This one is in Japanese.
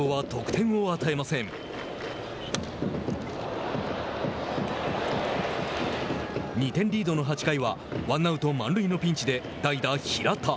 ２点リードの８回はワンアウト、満塁のピンチで代打平田。